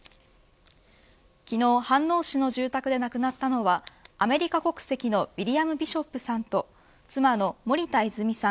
昨日、飯能市の住宅で亡くなったのはアメリカ国籍のウィリアム・ビショップさんと妻の森田泉さん